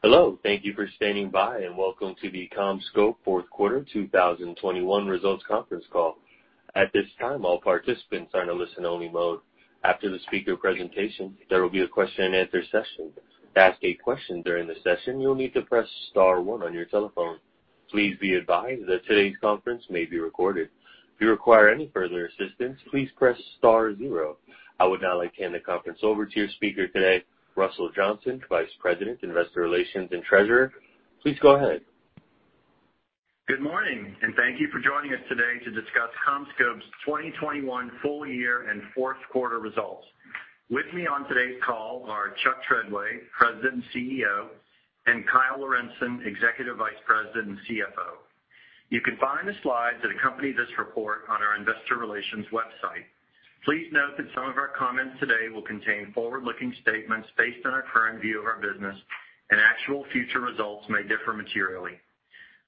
Hello, thank you for standing by, and Welcome to the CommScope Fourth Quarter 2021 Results Conference Call. At this time, all participants are in a listen-only mode. After the speaker presentation, there will be a question and answer session. To ask a question during the session, you'll need to press star one on your telephone. Please be advised that today's conference may be recorded. If you require any further assistance, please press star zero. I would now like to hand the conference over to your speaker today, Russell Johnson, Vice President, Investor Relations and Treasurer. Please go ahead. Good morning, and thank you for joining us today to discuss CommScope's 2021 Full Year and Fourth Quarter Results. With me on today's call are Chuck Treadway, President and CEO, and Kyle Lorentzen, Executive Vice President and CFO. You can find the slides that accompany this report on our investor relations website. Please note that some of our comments today will contain forward-looking statements based on our current view of our business, and actual future results may differ materially.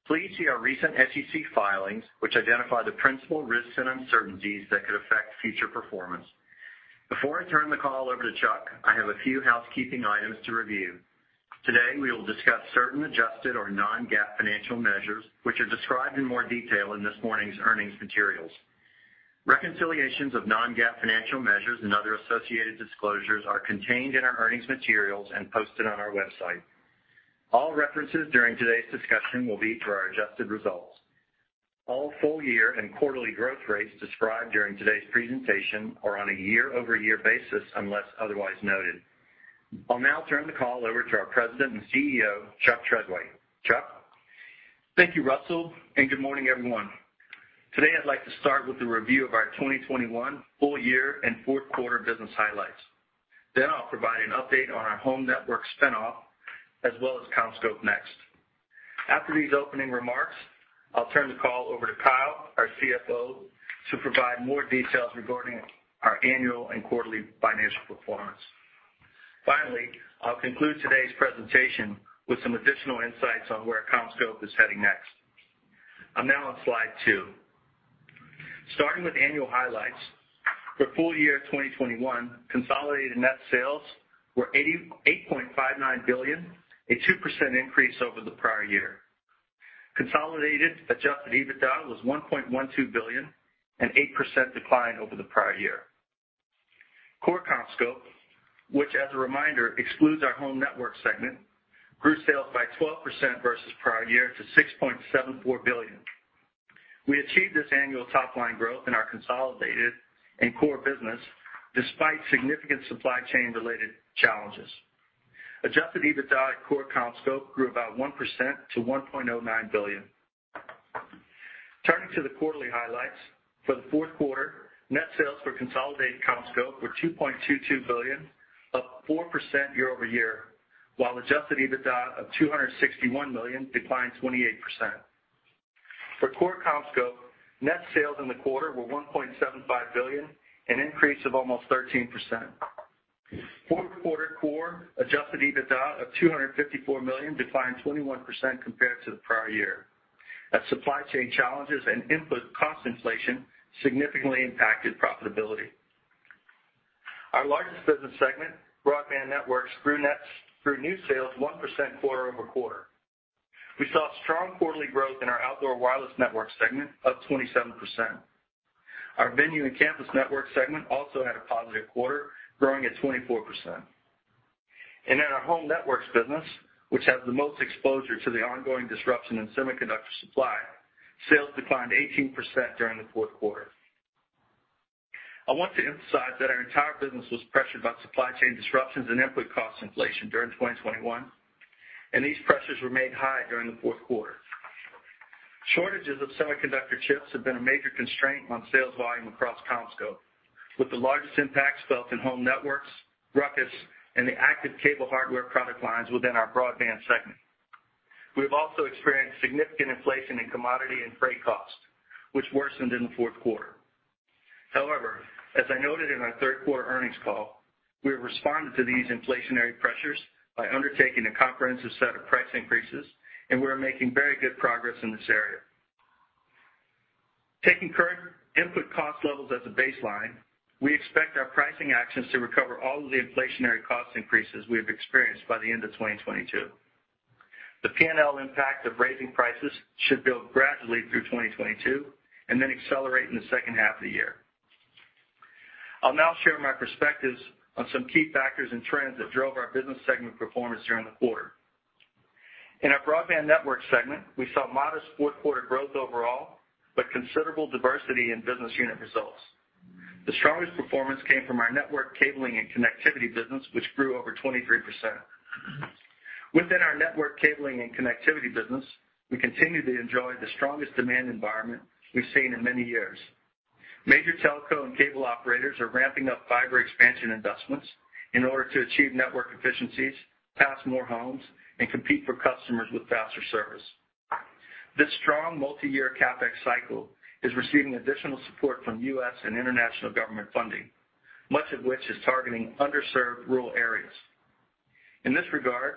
Please see our recent SEC filings, which identify the principal risks and uncertainties that could affect future performance. Before I turn the call over to Chuck, I have a few housekeeping items to review. Today, we will discuss certain adjusted or non-GAAP financial measures, which are described in more detail in this morning's earnings materials. Reconciliations of non-GAAP financial measures and other associated disclosures are contained in our earnings materials and posted on our website. All references during today's discussion will be to our adjusted results. All full year and quarterly growth rates described during today's presentation are on a year-over-year basis, unless otherwise noted. I'll now turn the call over to our President and CEO, Chuck Treadway. Chuck? Thank you, Russell, and good morning, everyone. Today, I'd like to start with a review of our 2021 full year and fourth quarter business highlights. Then I'll provide an update on our Home Networks spin-off, as well as CommScope NEXT. After these opening remarks, I'll turn the call over to Kyle, our CFO, to provide more details regarding our annual and quarterly financial performance. Finally, I'll conclude today's presentation with some additional insights on where CommScope is heading next. I'm now on slide two. Starting with annual highlights, for full year 2021, consolidated net sales were $88.59 billion, a 2% increase over the prior year. Consolidated adjusted EBITDA was $1.12 billion, an 8% decline over the prior year. Core CommScope, which as a reminder, excludes our home network segment, grew sales by 12% versus prior year to $6.74 billion. We achieved this annual top line growth in our consolidated and core business despite significant supply chain related challenges. Adjusted EBITDA at Core CommScope grew about 1% to $1.09 billion. Turning to the quarterly highlights, for the fourth quarter, net sales for consolidated CommScope were $2.22 billion, up 4% year-over-year, while adjusted EBITDA of $261 million declined 28%. For Core CommScope, net sales in the quarter were $1.75 billion, an increase of almost 13%. Fourth quarter Core adjusted EBITDA of $254 million declined 21% compared to the prior year as supply chain challenges and input cost inflation significantly impacted profitability. Our largest business segment, Broadband Networks, grew new sales 1% quarter-over-quarter. We saw strong quarterly growth in our Outdoor Wireless Networks segment, up 27%. Our Venue and Campus Networks segment also had a positive quarter, growing at 24%. In our Home Networks business, which has the most exposure to the ongoing disruption in semiconductor supply, sales declined 18% during the fourth quarter. I want to emphasize that our entire business was pressured by supply chain disruptions and input cost inflation during 2021, and these pressures remained high during the fourth quarter. Shortages of semiconductor chips have been a major constraint on sales volume across CommScope, with the largest impacts felt in Home Networks, Ruckus, and the active cable hardware product lines within our Broadband Networks segment. We have also experienced significant inflation in commodity and freight costs, which worsened in the fourth quarter. However, as I noted in our third quarter earnings call, we have responded to these inflationary pressures by undertaking a comprehensive set of price increases, and we are making very good progress in this area. Taking current input cost levels as a baseline, we expect our pricing actions to recover all of the inflationary cost increases we have experienced by the end of 2022. The P&L impact of raising prices should build gradually through 2022 and then accelerate in the second half of the year. I'll now share my perspectives on some key factors and trends that drove our business segment performance during the quarter. In our broadband network segment, we saw modest fourth quarter growth overall, but considerable diversity in business unit results. The strongest performance came from our network cabling and connectivity business, which grew over 23%. Within our network cabling and connectivity business, we continue to enjoy the strongest demand environment we've seen in many years. Major telco and cable operators are ramping up fiber expansion investments in order to achieve network efficiencies, pass more homes, and compete for customers with faster service. This strong multi-year CapEx cycle is receiving additional support from U.S. and international government funding, much of which is targeting underserved rural areas. In this regard,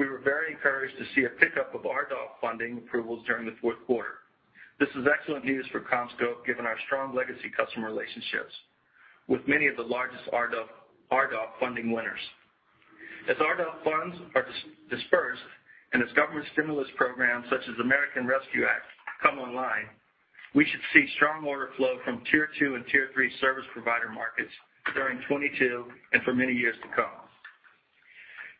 we were very encouraged to see a pickup of RDOF funding approvals during the fourth quarter. This is excellent news for CommScope, given our strong legacy customer relationships with many of the largest RDOF funding winners. As RDOF funds are disbursed and as government stimulus programs such as American Rescue Plan Act come online, we should see strong order flow from tier two and tier three service provider markets during 2022 and for many years to come.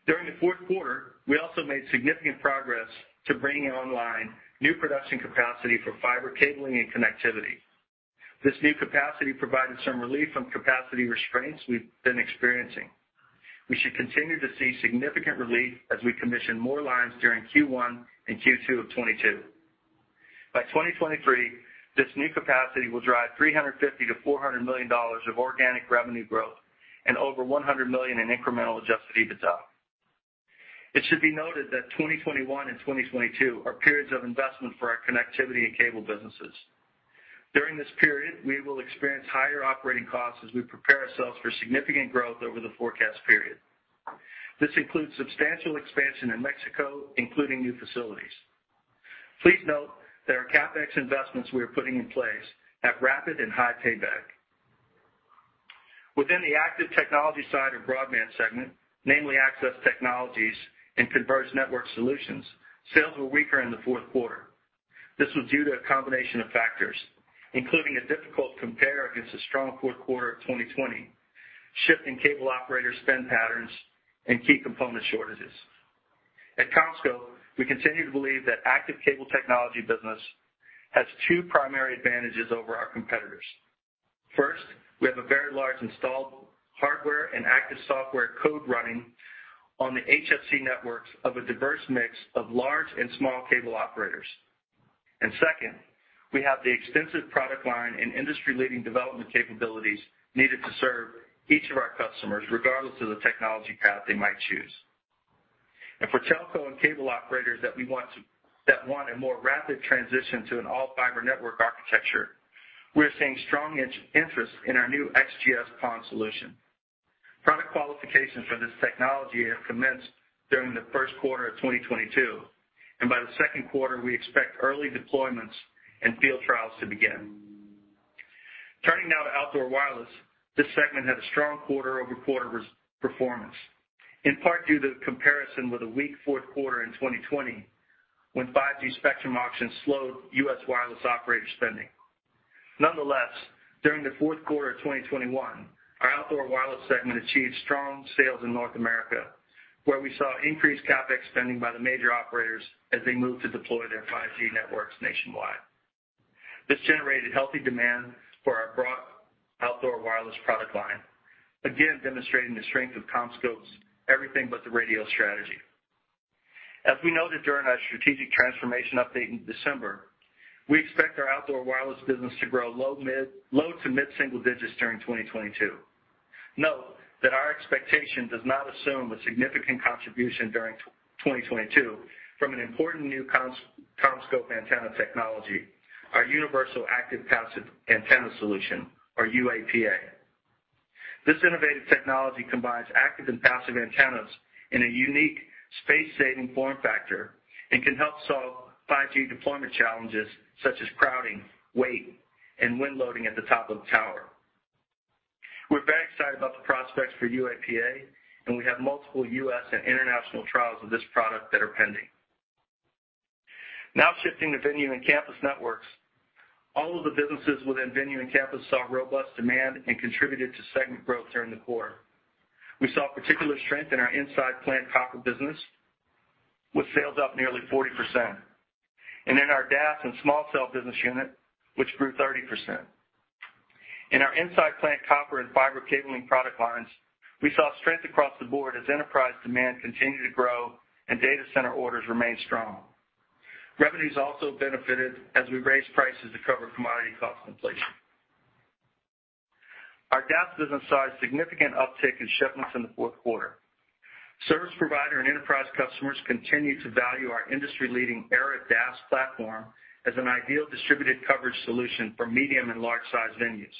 During the fourth quarter, we also made significant progress to bringing online new production capacity for fiber cabling and connectivity. This new capacity provided some relief from capacity restraints we've been experiencing. We should continue to see significant relief as we commission more lines during Q1 and Q2 of 2022. By 2023, this new capacity will drive $350 million-$400 million of organic revenue growth and over $100 million in incremental adjusted EBITDA. It should be noted that 2021 and 2022 are periods of investment for our connectivity and cable businesses. During this period, we will experience higher operating costs as we prepare ourselves for significant growth over the forecast period. This includes substantial expansion in Mexico, including new facilities. Please note that our CapEx investments we are putting in place have rapid and high payback. Within the active technology side of broadband segment, namely access technologies and converged network solutions, sales were weaker in the fourth quarter. This was due to a combination of factors, including a difficult compare against a strong fourth quarter of 2020, shift in cable operator spend patterns, and key component shortages. At CommScope, we continue to believe that active cable technology business has two primary advantages over our competitors. First, we have a very large installed hardware and active software code running on the HFC networks of a diverse mix of large and small cable operators. Second, we have the extensive product line and industry-leading development capabilities needed to serve each of our customers, regardless of the technology path they might choose. For telco and cable operators that want a more rapid transition to an all-fiber network architecture, we're seeing strong interest in our new XGS-PON solution. Product qualification for this technology have commenced during the first quarter of 2022, and by the second quarter, we expect early deployments and field trials to begin. Turning now to outdoor wireless, this segment had a strong quarter-over-quarter revenue performance, in part due to the comparison with a weak fourth quarter in 2020 when 5G spectrum auctions slowed U.S. wireless operator spending. Nonetheless, during the fourth quarter of 2021, our outdoor wireless segment achieved strong sales in North America, where we saw increased CapEx spending by the major operators as they moved to deploy their 5G networks nationwide. This generated healthy demand for our broad outdoor wireless product line, again demonstrating the strength of CommScope's everything but the radio strategy. As we noted during our strategic transformation update in December, we expect our outdoor wireless business to grow low to mid single digits during 2022. Note that our expectation does not assume a significant contribution during 2022 from an important new CommScope antenna technology, our universal active passive antenna solution or UAPA. This innovative technology combines active and passive antennas in a unique space-saving form factor and can help solve 5G deployment challenges such as crowding, weight, and wind loading at the top of the tower. We're very excited about the prospects for UAPA, and we have multiple U.S. and international trials of this product that are pending. Now shifting to Venue and Campus Networks. All of the businesses within Venue and Campus saw robust demand and contributed to segment growth during the quarter. We saw particular strength in our inside plant copper business, with sales up nearly 40%, and in our DAS and small cell business unit, which grew 30%. In our inside plant copper and fiber cabling product lines, we saw strength across the board as enterprise demand continued to grow and data center orders remained strong. Revenues also benefited as we raised prices to cover commodity cost inflation. Our DAS business saw a significant uptick in shipments in the fourth quarter. Service provider and enterprise customers continue to value our industry-leading ERA DAS platform as an ideal distributed coverage solution for medium and large size venues.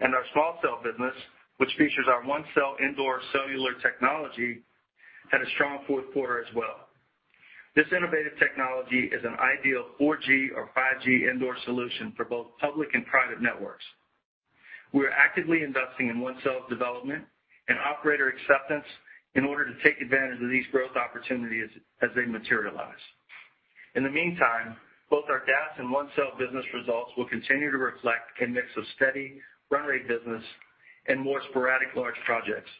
Our small cell business, which features our OneCell indoor cellular technology, had a strong fourth quarter as well. This innovative technology is an ideal 4G or 5G indoor solution for both public and private networks. We are actively investing in OneCell development and operator acceptance in order to take advantage of these growth opportunities as they materialize. In the meantime, both our DAS and OneCell business results will continue to reflect a mix of steady run rate business and more sporadic large projects.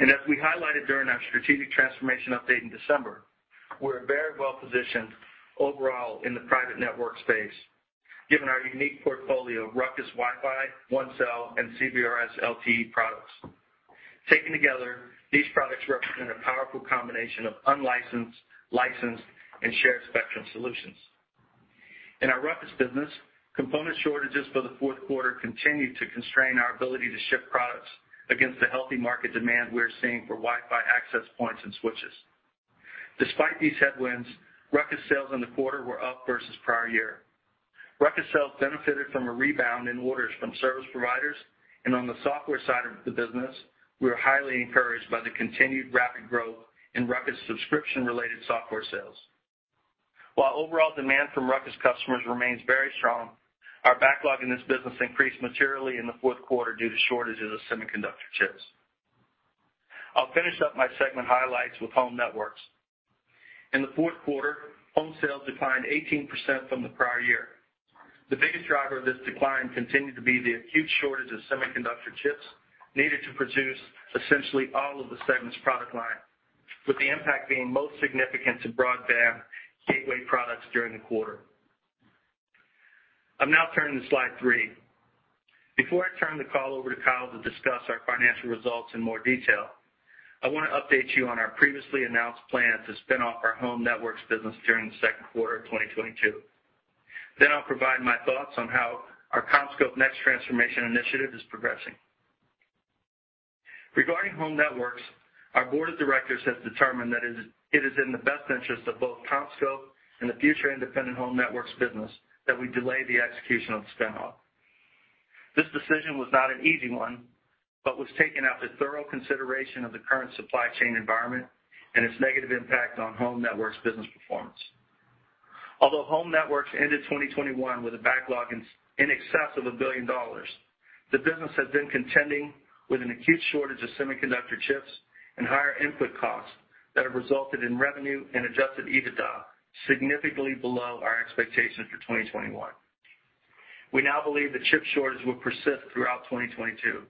As we highlighted during our strategic transformation update in December, we're very well positioned overall in the private network space, given our unique portfolio of Ruckus Wi-Fi, OneCell, and CBRS LTE products. Taken together, these products represent a powerful combination of unlicensed, licensed, and shared spectrum solutions. In our Ruckus business, component shortages for the fourth quarter continued to constrain our ability to ship products against the healthy market demand we are seeing for Wi-Fi access points and switches. Despite these headwinds, Ruckus sales in the quarter were up versus prior year. Ruckus sales benefited from a rebound in orders from service providers, and on the software side of the business, we are highly encouraged by the continued rapid growth in Ruckus subscription-related software sales. While overall demand from Ruckus customers remains very strong, our backlog in this business increased materially in the fourth quarter due to shortages of semiconductor chips. I'll finish up my segment highlights with Home Networks. In the fourth quarter, Home sales declined 18% from the prior year. The biggest driver of this decline continued to be the acute shortage of semiconductor chips needed to produce essentially all of the segment's product line, with the impact being most significant to broadband gateway products during the quarter. I'll now turn to slide three. Before I turn the call over to Kyle to discuss our financial results in more detail, I want to update you on our previously announced plan to spin off our Home Networks business during the second quarter of 2022. I'll provide my thoughts on how our CommScope NEXT transformation initiative is progressing. Regarding Home Networks, our board of directors has determined that it is in the best interest of both CommScope and the future independent Home Networks business that we delay the execution of the spin-off. This decision was not an easy one, but was taken after thorough consideration of the current supply chain environment and its negative impact on Home Networks' business performance. Although Home Networks ended 2021 with a backlog in excess of $1 billion, the business has been contending with an acute shortage of semiconductor chips and higher input costs that have resulted in revenue and adjusted EBITDA significantly below our expectations for 2021. We now believe the chip shortage will persist throughout 2022.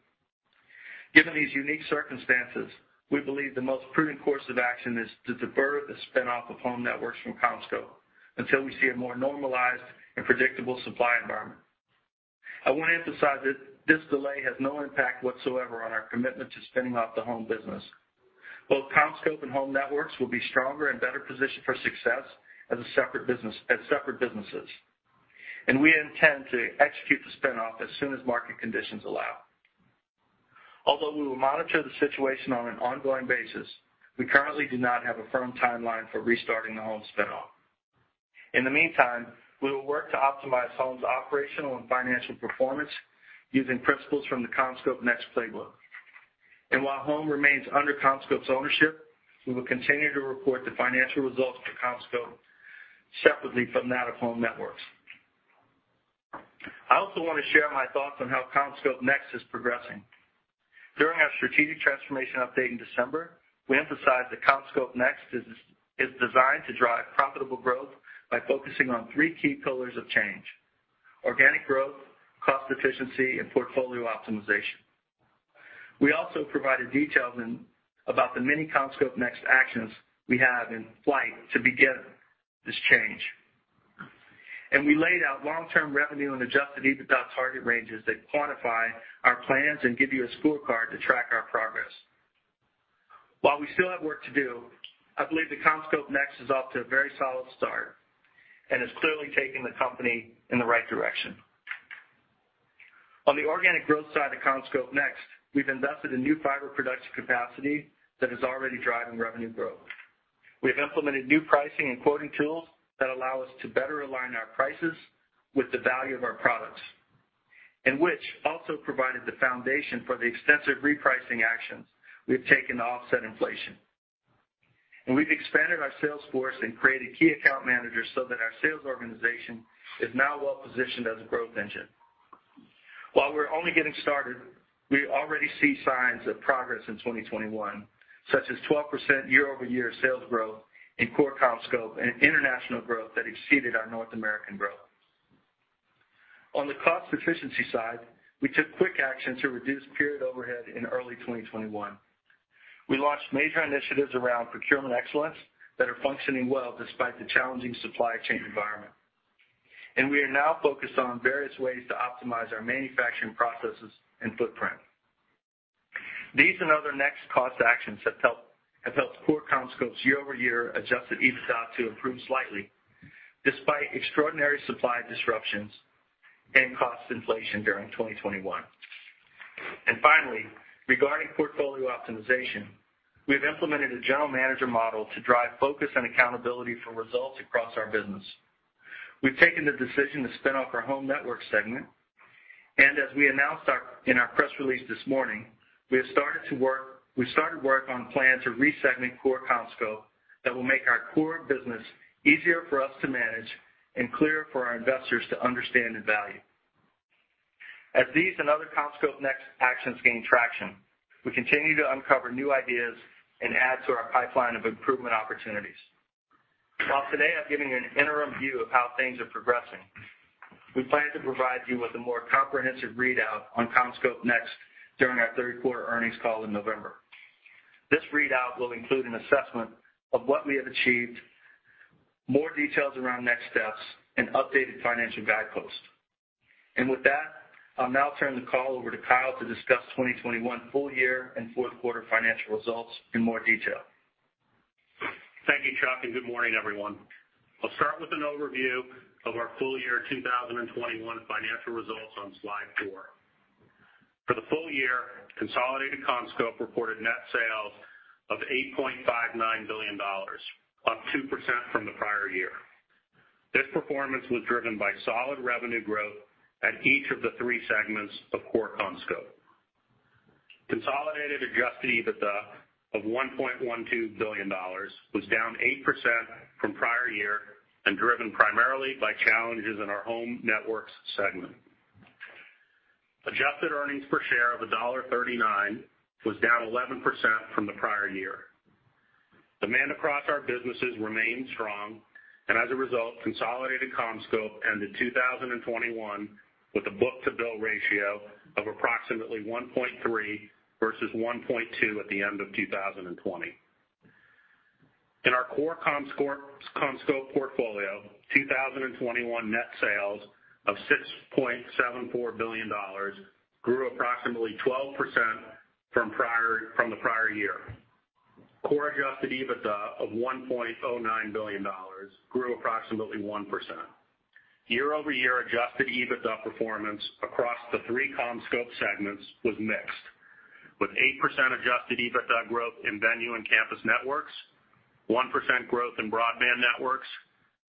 Given these unique circumstances, we believe the most prudent course of action is to defer the spin-off of Home Networks from CommScope until we see a more normalized and predictable supply environment. I want to emphasize that this delay has no impact whatsoever on our commitment to spinning off the Home business. Both CommScope and Home Networks will be stronger and better positioned for success as a separate business, as separate businesses. We intend to execute the spin-off as soon as market conditions allow. Although we will monitor the situation on an ongoing basis, we currently do not have a firm timeline for restarting the Home spin-off. In the meantime, we will work to optimize Home's operational and financial performance using principles from the CommScope Next playbook. While Home remains under CommScope's ownership, we will continue to report the financial results for CommScope separately from that of Home Networks. I also want to share my thoughts on how CommScope Next is progressing. During our strategic transformation update in December, we emphasized that CommScope Next is designed to drive profitable growth by focusing on three key pillars of change, organic growth, cost efficiency, and portfolio optimization. We also provided details in about the many CommScope NEXT actions we have in flight to begin this change. We laid out long-term revenue and adjusted EBITDA target ranges that quantify our plans and give you a scorecard to track our progress. While we still have work to do, I believe that CommScope NEXT is off to a very solid start and is clearly taking the company in the right direction. On the organic growth side of CommScope NEXT, we've invested in new fiber production capacity that is already driving revenue growth. We have implemented new pricing and quoting tools that allow us to better align our prices with the value of our products, and which also provided the foundation for the extensive repricing actions we have taken to offset inflation. We've expanded our sales force and created key account managers so that our sales organization is now well positioned as a growth engine. While we're only getting started, we already see signs of progress in 2021, such as 12% year-over-year sales growth in Core CommScope and international growth that exceeded our North American growth. On the cost efficiency side, we took quick action to reduce period overhead in early 2021. We launched major initiatives around procurement excellence that are functioning well despite the challenging supply chain environment. We are now focused on various ways to optimize our manufacturing processes and footprint. These and other NEXT cost actions have helped Core CommScope's year-over-year adjusted EBITDA to improve slightly despite extraordinary supply disruptions and cost inflation during 2021. Finally, regarding portfolio optimization, we have implemented a general manager model to drive focus and accountability for results across our business. We've taken the decision to spin off our Home Networks segment. As we announced in our press release this morning, we started work on a plan to re-segment Core CommScope that will make our core business easier for us to manage and clearer for our investors to understand and value. As these and other CommScope Next actions gain traction, we continue to uncover new ideas and add to our pipeline of improvement opportunities. While today I've given you an interim view of how things are progressing, we plan to provide you with a more comprehensive readout on CommScope Next during our third quarter earnings call in November. This readout will include an assessment of what we have achieved, more details around next steps, and updated financial guideposts. With that, I'll now turn the call over to Kyle to discuss 2021 full year and fourth quarter financial results in more detail. Thank you, Chuck, and good morning, everyone. I'll start with an overview of our full year 2021 financial results on slide four. For the full year, consolidated CommScope reported net sales of $8.59 billion, up 2% from the prior year. This performance was driven by solid revenue growth at each of the three segments of Core CommScope. Consolidated adjusted EBITDA of $1.12 billion was down 8% from prior year and driven primarily by challenges in our Home Networks segment. Adjusted earnings per share of $1.39 was down 11% from the prior year. Demand across our businesses remained strong and as a result, consolidated CommScope ended 2021 with a book-to-bill ratio of approximately 1.3 versus 1.2 at the end of 2020. In our Core CommScope portfolio, 2021 net sales of $6.74 billion grew approximately 12% from the prior year. Core adjusted EBITDA of $1.09 billion grew approximately 1%. Year-over-year adjusted EBITDA performance across the three CommScope segments was mixed, with 8% adjusted EBITDA growth in Venue and Campus Networks, 1% growth in Broadband Networks,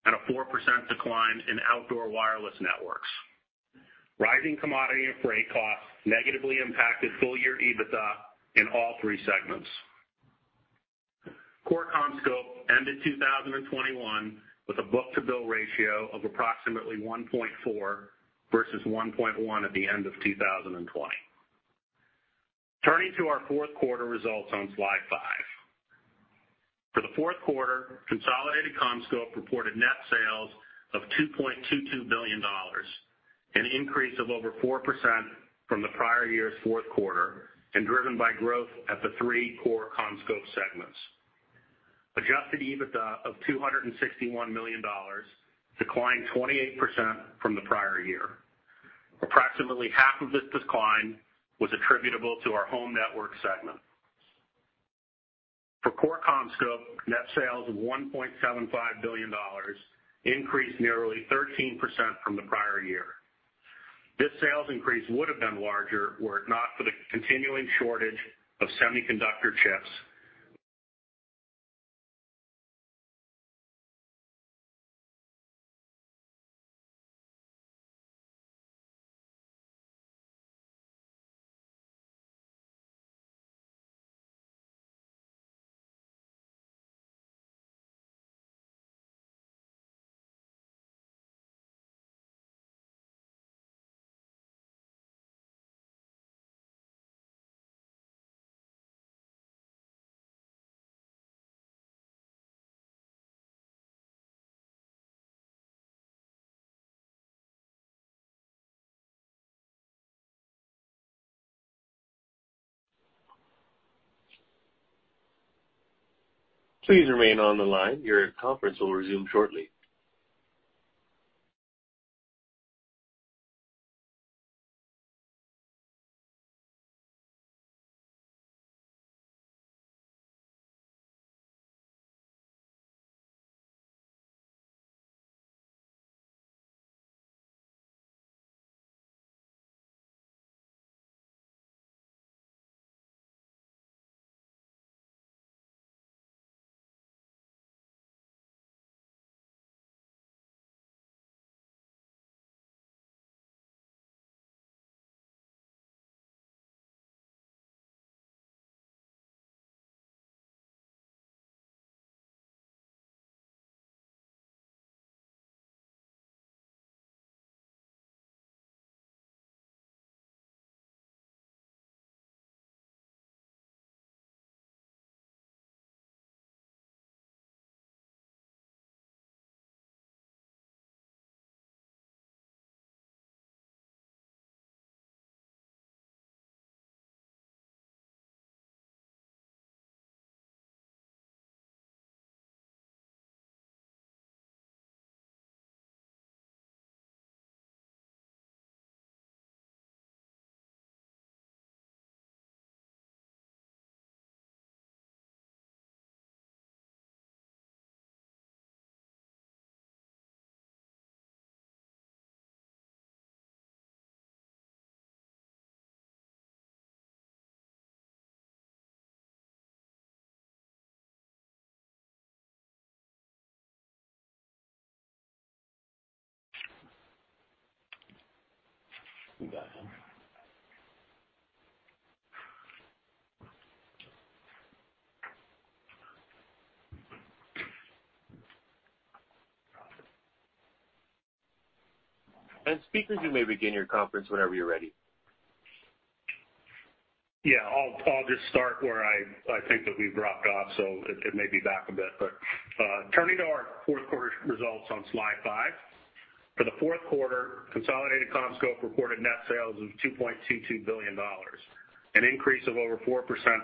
and a 4% decline in Outdoor Wireless Networks. Rising commodity and freight costs negatively impacted full year EBITDA in all three segments. Core CommScope ended 2021 with a book-to-bill ratio of approximately 1.4 versus 1.1 at the end of 2020. Turning to our fourth quarter results on slide five. For the fourth quarter, consolidated CommScope reported net sales of $2.22 billion, an increase of over 4%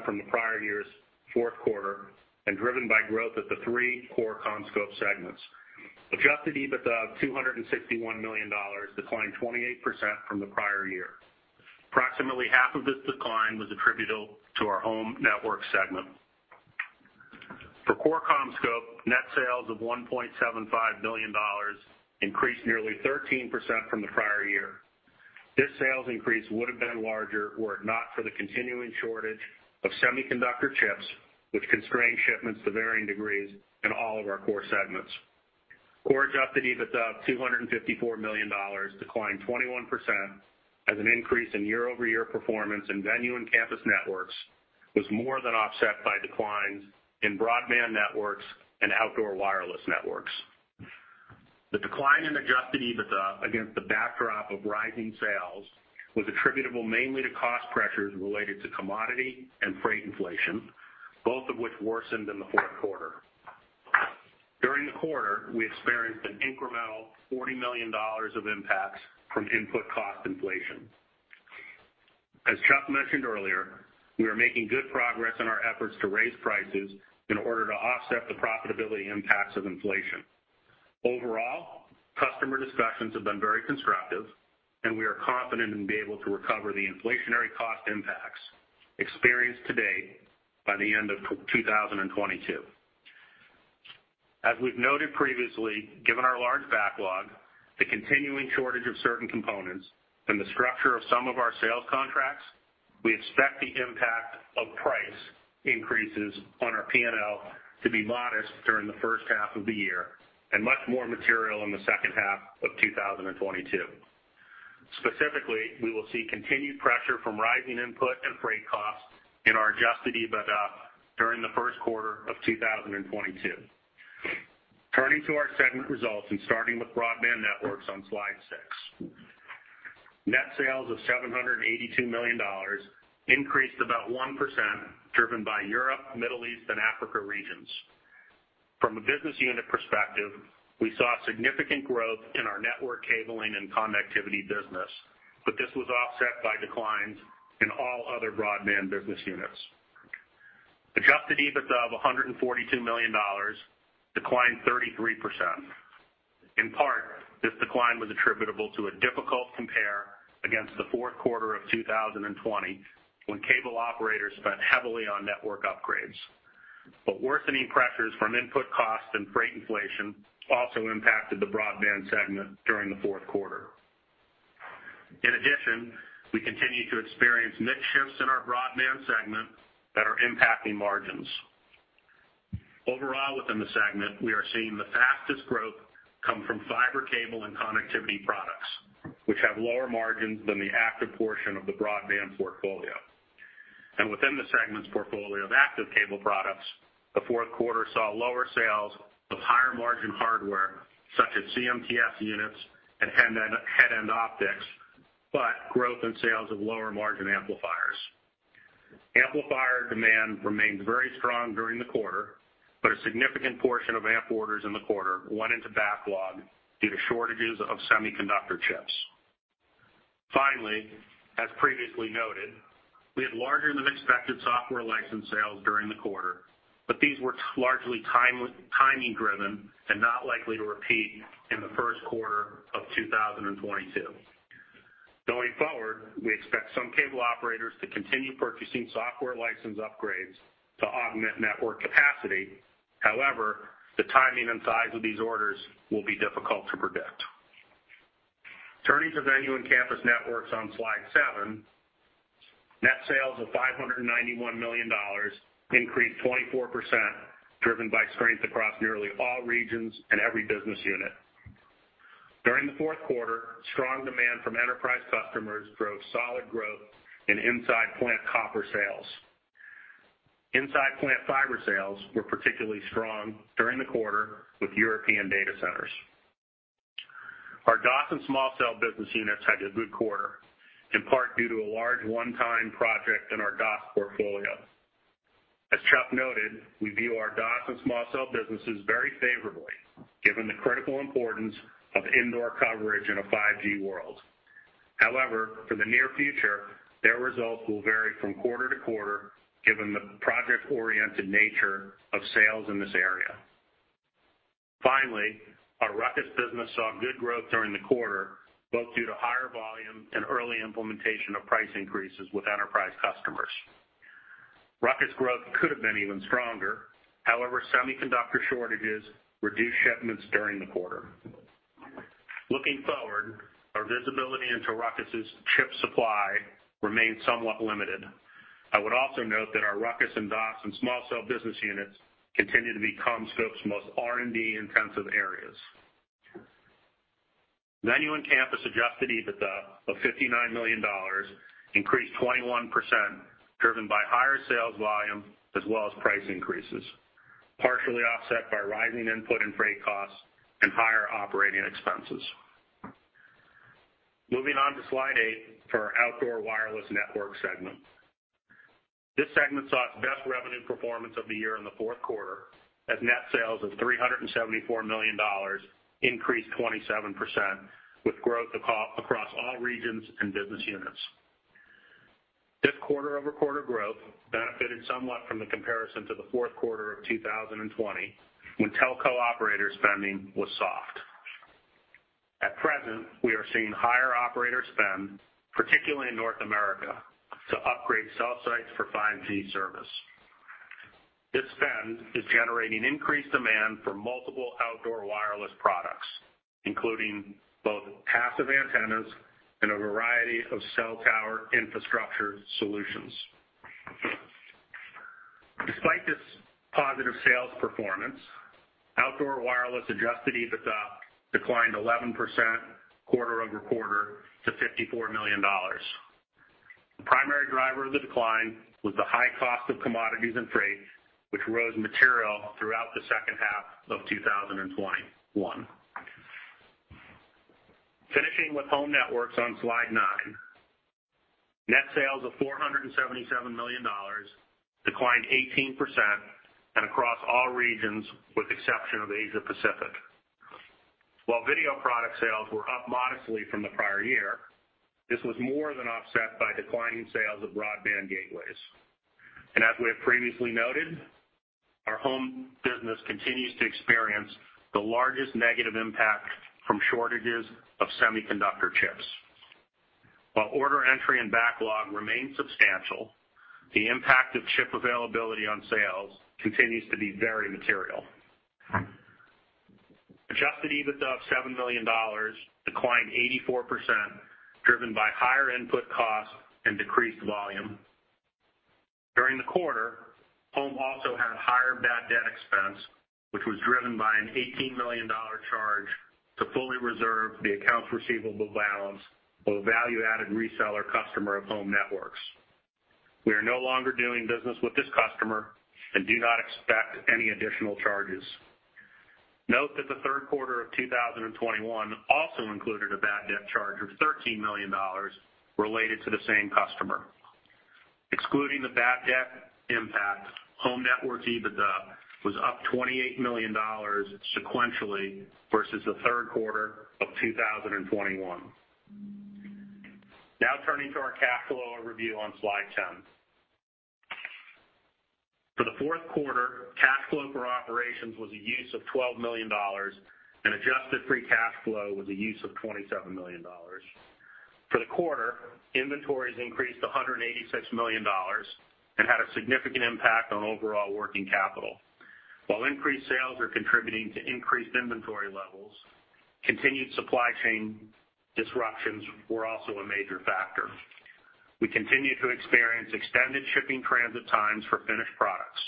from the prior year's fourth quarter and driven by growth at the three Core CommScope segments. Adjusted EBITDA of $261 million declined 28% from the prior year. Approximately half of this decline was attributable to our Home Networks segment. For Core CommScope, net sales of $1.75 billion increased nearly 13% from the prior year. This sales increase would have been larger were it not for the continuing shortage of semiconductor chips, which constrained shipments to varying degrees in all of our core segments. Core adjusted EBITDA of $254 million declined 21% as an increase in year-over-year performance in Venue and Campus Networks was more than offset by declines in Broadband Networks and Outdoor Wireless Networks. The decline in adjusted EBITDA against the backdrop of rising sales was attributable mainly to cost pressures related to commodity and freight inflation, both of which worsened in the fourth quarter. During the quarter, we experienced an incremental $40 million of impacts from input cost inflation. As Chuck mentioned earlier, we are making good progress in our efforts to raise prices in order to offset the profitability impacts of inflation. Overall, customer discussions have been very constructive, and we are confident in being able to recover the inflationary cost impacts experienced to date by the end of 2022. As we've noted previously, given our large backlog, the continuing shortage of certain components, and the structure of some of our sales contracts, we expect the impact of price increases on our P&L to be modest during the first half of the year and much more material in the second half of 2022. Specifically, we will see continued pressure from rising input and freight costs in our adjusted EBITDA during the first quarter of 2022. Turning to our segment results and starting with Broadband Networks on slide 6. Net sales of $782 million increased about 1%, driven by Europe, Middle East, and Africa regions. From a business unit perspective, we saw significant growth in our network cabling and connectivity business, but this was offset by declines in all other broadband business units. Adjusted EBITDA of $142 million declined 33%. In part, this decline was attributable to a difficult compare against the fourth quarter of 2020 when cable operators spent heavily on network upgrades. Worsening pressures from input costs and freight inflation also impacted the broadband segment during the fourth quarter. In addition, we continue to experience mix shifts in our broadband segment that are impacting margins. Overall, within the segment, we are seeing the fastest growth come from fiber cable and connectivity products, which have lower margins than the active portion of the broadband portfolio. Within the segment's portfolio of active cable products, the fourth quarter saw lower sales of higher margin hardware such as CMTS units and head-end optics, but growth in sales of lower margin amplifiers. Amplifier demand remained very strong during the quarter, but a significant portion of amp orders in the quarter went into backlog due to shortages of semiconductor chips. Finally, as previously noted, we had larger than expected software license sales during the quarter, but these were largely timing driven and not likely to repeat in the first quarter of 2022. Going forward, we expect some cable operators to continue purchasing software license upgrades to augment network capacity. However, the timing and size of these orders will be difficult to predict. Turning to Venue and Campus Networks on slide seven. Net sales of $591 million increased 24%, driven by strength across nearly all regions and every business unit. During the fourth quarter, strong demand from enterprise customers drove solid growth in inside plant copper sales. Inside plant fiber sales were particularly strong during the quarter with European data centers. Our DAS and small cell business units had a good quarter, in part due to a large one-time project in our DAS portfolio. As Chuck noted, we view our DAS and small cell businesses very favorably given the critical importance of indoor coverage in a 5G world. However, for the near future, their results will vary from quarter to quarter given the project-oriented nature of sales in this area. Finally, our RUCKUS business saw good growth during the quarter, both due to higher volume and early implementation of price increases with enterprise customers. RUCKUS growth could have been even stronger, however semiconductor shortages reduced shipments during the quarter. Looking forward, our visibility into RUCKUS's chip supply remains somewhat limited. I would also note that our RUCKUS and DAS and small cell business units continue to be CommScope's most R&D-intensive areas. Venue and Campus adjusted EBITDA of $59 million increased 21%, driven by higher sales volume as well as price increases, partially offset by rising input and freight costs and higher operating expenses. Moving on to slide eight for our Outdoor Wireless Network segment. This segment saw its best revenue performance of the year in the fourth quarter as net sales of $374 million increased 27% with growth across all regions and business units. This quarter-over-quarter growth benefited somewhat from the comparison to the fourth quarter of 2020 when telco operator spending was soft. At present, we are seeing higher operator spend, particularly in North America, to upgrade cell sites for 5G service. This spend is generating increased demand for multiple outdoor wireless products, including both passive antennas and a variety of cell tower infrastructure solutions. Despite this positive sales performance, outdoor wireless adjusted EBITDA declined 11% quarter over quarter to $54 million. The primary driver of the decline was the high cost of commodities and freight, which rose materially throughout the second half of 2021. Finishing with Home Networks on slide nine. Net sales of $477 million declined 18% across all regions with exception of Asia-Pacific. While video product sales were up modestly from the prior year, this was more than offset by declining sales of broadband gateways. As we have previously noted, our home business continues to experience the largest negative impact from shortages of semiconductor chips. While order entry and backlog remain substantial, the impact of chip availability on sales continues to be very material. Adjusted EBITDA of $7 million declined 84% driven by higher input costs and decreased volume. During the quarter, Home also had higher bad debt expense, which was driven by an $18 million charge to fully reserve the accounts receivable balance of a value-added reseller customer of Home Networks. We are no longer doing business with this customer and do not expect any additional charges. Note that the third quarter of 2021 also included a bad debt charge of $13 million related to the same customer. Excluding the bad debt impact, Home Networks EBITDA was up $28 million sequentially versus the third quarter of 2021. Now turning to our cash flow review on slide 10. For the fourth quarter, cash flow for operations was a use of $12 million and adjusted free cash flow was a use of $27 million. For the quarter, inventories increased $186 million and had a significant impact on overall working capital. While increased sales are contributing to increased inventory levels, continued supply chain disruptions were also a major factor. We continue to experience extended shipping transit times for finished products.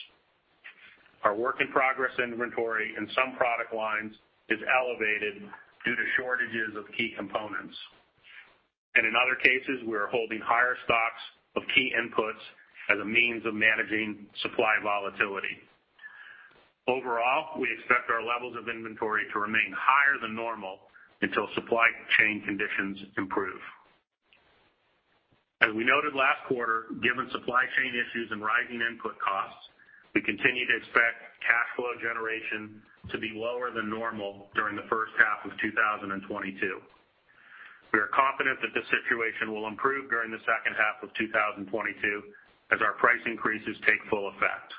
Our work in progress inventory in some product lines is elevated due to shortages of key components. In other cases, we are holding higher stocks of key inputs as a means of managing supply volatility. Overall, we expect our levels of inventory to remain higher than normal until supply chain conditions improve. As we noted last quarter, given supply chain issues and rising input costs, we continue to expect cash flow generation to be lower than normal during the first half of 2022. We are confident that the situation will improve during the second half of 2022 as our price increases take full effect.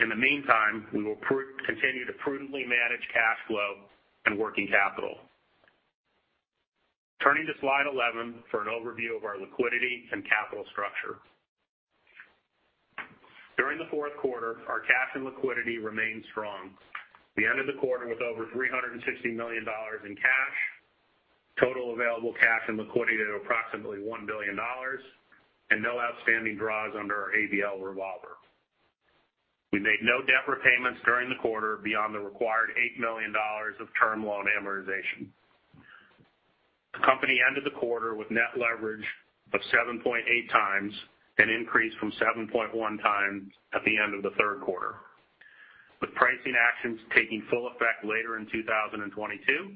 In the meantime, we will continue to prudently manage cash flow and working capital. Turning to slide 11 for an overview of our liquidity and capital structure. During the fourth quarter, our cash and liquidity remained strong. We ended the quarter with over $360 million in cash, total available cash and liquidity at approximately $1 billion, and no outstanding draws under our ABL revolver. We made no debt repayments during the quarter beyond the required $8 million of term loan amortization. The company ended the quarter with net leverage of 7.8 times, an increase from 7.1 times at the end of the third quarter. With pricing actions taking full effect later in 2022,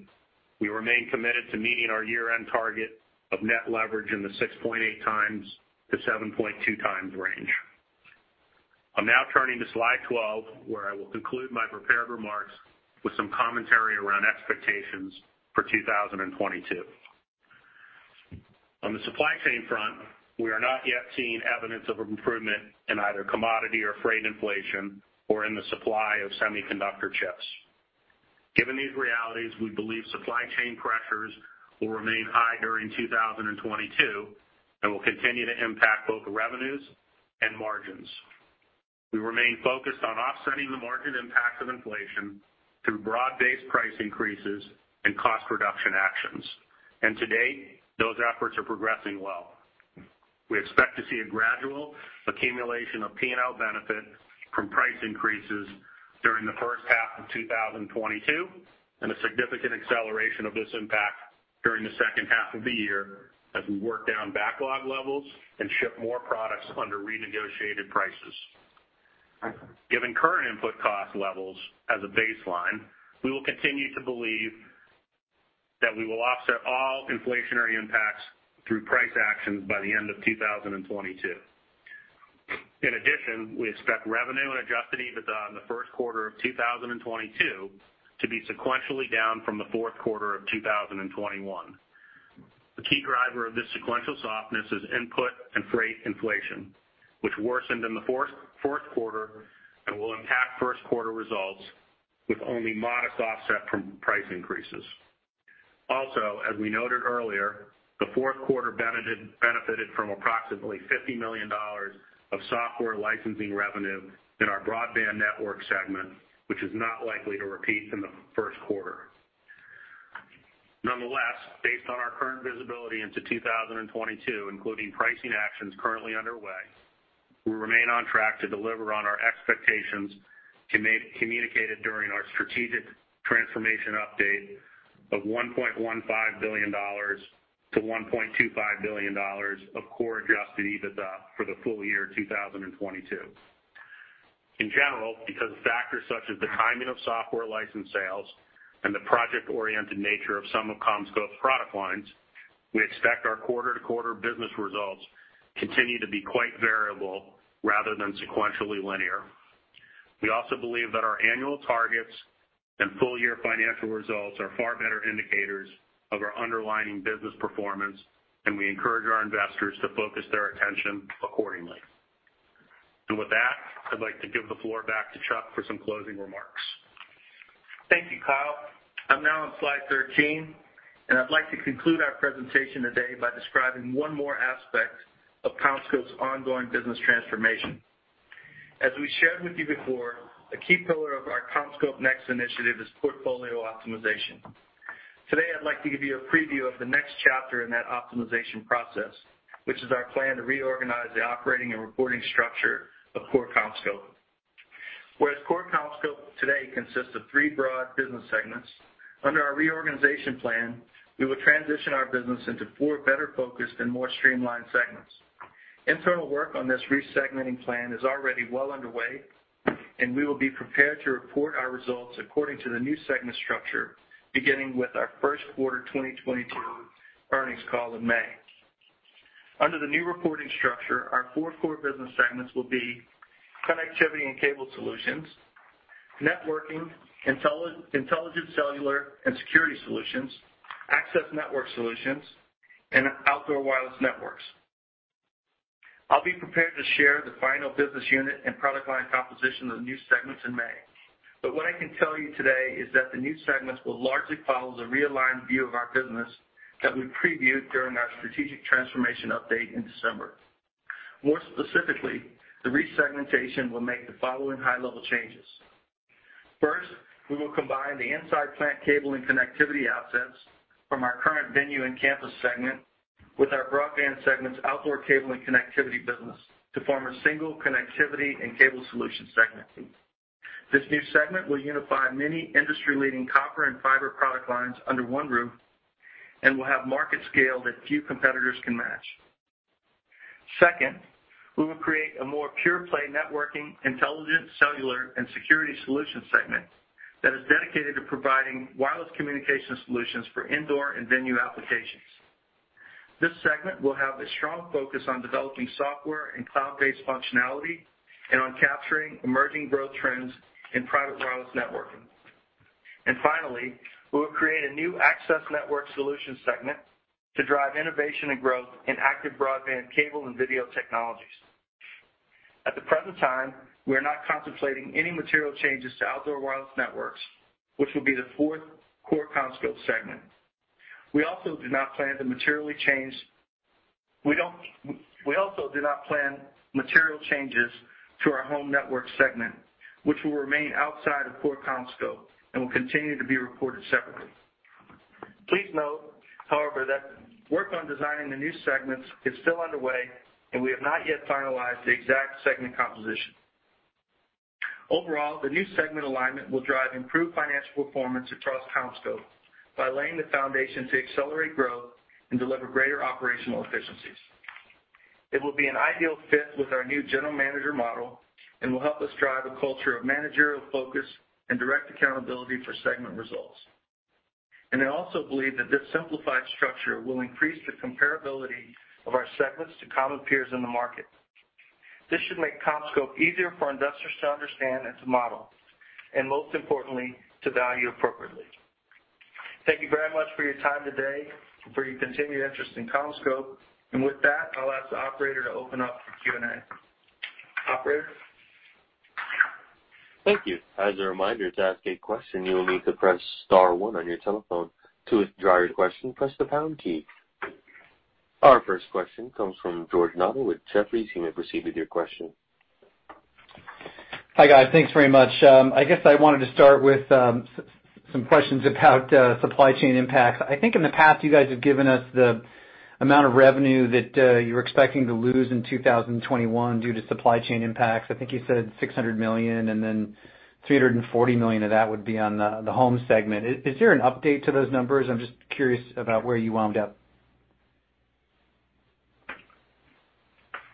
we remain committed to meeting our year-end target of net leverage in the 6.8 times-7.2 times range. I'm now turning to slide 12, where I will conclude my prepared remarks with some commentary around expectations for 2022. On the supply chain front, we are not yet seeing evidence of improvement in either commodity or freight inflation or in the supply of semiconductor chips. Given these realities, we believe supply chain pressures will remain high during 2022 and will continue to impact both revenues and margins. We remain focused on offsetting the margin impact of inflation through broad-based price increases and cost reduction actions. To date, those efforts are progressing well. We expect to see a gradual accumulation of P&L benefit from price increases during the first half of 2022, and a significant acceleration of this impact during the second half of the year as we work down backlog levels and ship more products under renegotiated prices. Given current input cost levels as a baseline, we will continue to believe that we will offset all inflationary impacts through price actions by the end of 2022. In addition, we expect revenue and adjusted EBITDA in the first quarter of 2022 to be sequentially down from the fourth quarter of 2021. The key driver of this sequential softness is input and freight inflation, which worsened in the fourth quarter and will impact first quarter results with only modest offset from price increases. Also, as we noted earlier, the fourth quarter benefited from approximately $50 million of software licensing revenue in our Broadband Networks segment, which is not likely to repeat in the first quarter. Nonetheless, based on our current visibility into 2022, including pricing actions currently underway, we remain on track to deliver on our expectations communicated during our strategic transformation update of $1.15 billion-$1.25 billion of core adjusted EBITDA for the full year 2022. In general, because of factors such as the timing of software license sales and the project-oriented nature of some of CommScope's product lines, we expect our quarter-to-quarter business results continue to be quite variable rather than sequentially linear. We also believe that our annual targets and full year financial results are far better indicators of our underlying business performance, and we encourage our investors to focus their attention accordingly. With that, I'd like to give the floor back to Chuck for some closing remarks. Thank you, Kyle. I'm now on slide 13, and I'd like to conclude our presentation today by describing one more aspect of CommScope's ongoing business transformation. As we shared with you before, a key pillar of our CommScope NEXT initiative is portfolio optimization. Today, I'd like to give you a preview of the next chapter in that optimization process, which is our plan to reorganize the operating and reporting structure of Core CommScope. Whereas Core CommScope today consists of three broad business segments, under our reorganization plan, we will transition our business into four better focused and more streamlined segments. Internal work on this re-segmenting plan is already well underway, and we will be prepared to report our results according to the new segment structure, beginning with our first quarter 2022 earnings call in May. Under the new reporting structure, our four core business segments will be Connectivity and Cable Solutions, Networking, Intelligent Cellular and Security Solutions, Access Network Solutions, and Outdoor Wireless Networks. I'll be prepared to share the final business unit and product line composition of the new segments in May. What I can tell you today is that the new segments will largely follow the realigned view of our business that we previewed during our strategic transformation update in December. More specifically, the resegmentation will make the following high-level changes. First, we will combine the inside plant cable and connectivity assets from our current Venue and Campus Networks segment with our Broadband Networks segment's outdoor cable and connectivity business to form a single Connectivity and Cable Solution segment. This new segment will unify many industry-leading copper and fiber product lines under one roof and will have market scale that few competitors can match. Second, we will create a more pure play Networking, Intelligent Cellular and Security Solutions segment that is dedicated to providing wireless communication solutions for indoor and venue applications. This segment will have a strong focus on developing software and cloud-based functionality and on capturing emerging growth trends in private wireless networking. Finally, we'll create a new Access Network Solutions segment to drive innovation and growth in active broadband cable and video technologies. At the present time, we are not contemplating any material changes to Outdoor Wireless Networks, which will be the fourth Core CommScope segment. We also do not plan material changes to our Home Networks segment, which will remain outside of Core CommScope and will continue to be reported separately. Please note, however, that work on designing the new segments is still underway, and we have not yet finalized the exact segment composition. Overall, the new segment alignment will drive improved financial performance across CommScope by laying the foundation to accelerate growth and deliver greater operational efficiencies. It will be an ideal fit with our new general manager model and will help us drive a culture of managerial focus and direct accountability for segment results. I also believe that this simplified structure will increase the comparability of our segments to common peers in the market. This should make CommScope easier for investors to understand and to model, and most importantly, to value appropriately. Thank you very much for your time today and for your continued interest in CommScope. With that, I'll ask the operator to open up for Q&A. Operator? Thank you. As a reminder, to ask a question, you will need to press star one on your telephone. To withdraw your question, press the pound key. Our first question comes from George Notter with Jefferies. You may proceed with your question. Hi, guys. Thanks very much. I guess I wanted to start with some questions about supply chain impacts. I think in the past, you guys have given us the amount of revenue that you're expecting to lose in 2021 due to supply chain impacts. I think you said $600 million and then $340 million of that would be on the home segment. Is there an update to those numbers? I'm just curious about where you wound up.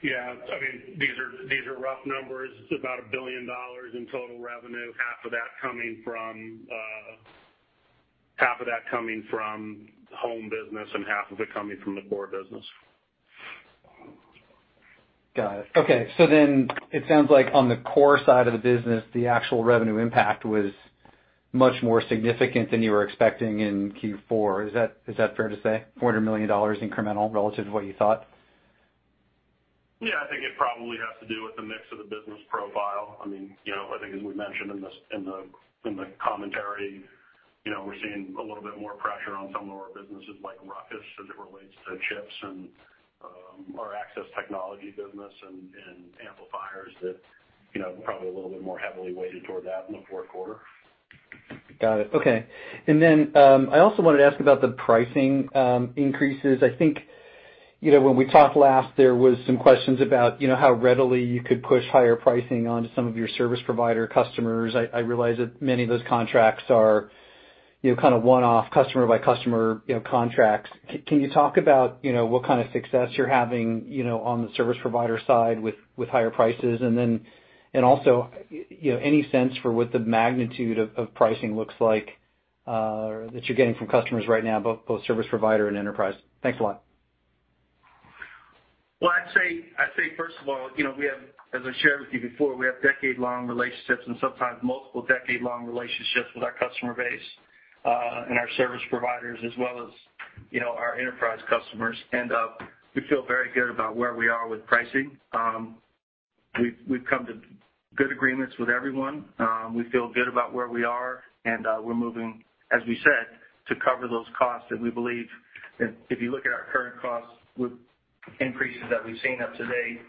Yeah, I mean, these are rough numbers. It's about $1 billion in total revenue, half of that coming from home business and half of it coming from the core business. Got it. Okay. It sounds like on the core side of the business, the actual revenue impact was much more significant than you were expecting in Q4. Is that fair to say? $400 million incremental relative to what you thought? Yeah. I think it probably has to do with the mix of the business profile. I mean, you know, I think as we mentioned in the commentary, you know, we're seeing a little bit more pressure on some of our businesses like RUCKUS as it relates to chips and our access technology business and amplifiers that, you know, probably a little bit more heavily weighted toward that in the quarter. Got it. Okay. I also wanted to ask about the pricing increases. I think, you know, when we talked last, there was some questions about, you know, how readily you could push higher pricing onto some of your service provider customers. I realize that many of those contracts are, you know, kind of one-off customer by customer, you know, contracts. Can you talk about, you know, what kind of success you're having, you know, on the service provider side with higher prices? You know, any sense for what the magnitude of pricing looks like that you're getting from customers right now, both service provider and enterprise? Thanks a lot. I'd say first of all, you know, we have as I shared with you before, we have decade-long relationships and sometimes multiple decade-long relationships with our customer base and our service providers as well as, you know, our enterprise customers. We feel very good about where we are with pricing. We've come to good agreements with everyone. We feel good about where we are, and we're moving, as we said, to cover those costs. We believe if you look at our current costs with increases that we've seen up to date,